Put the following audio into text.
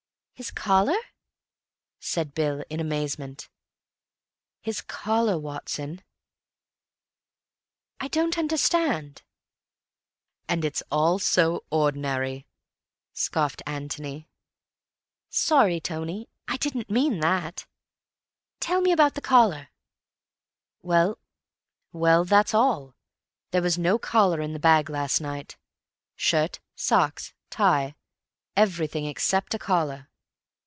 "His collar?" said Bill in amazement. "His collar, Watson." "I don't understand." "And it's all so ordinary," scoffed Antony. "Sorry, Tony, I didn't mean that. Tell me about the collar." "Well, that's all. There was no collar in the bag last night. Shirt, socks, tie—everything except a collar.